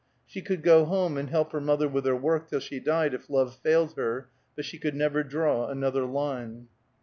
She could go home and help her mother with her work till she died, if love failed her, but she could never draw another line.